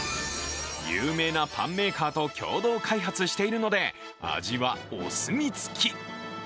有名なパンメーカーと共同開発しているので、味はお墨付き。